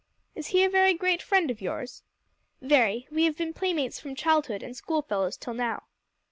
"Is he a very great friend of yours?" "Very. We have been playmates from childhood, and school fellows till now."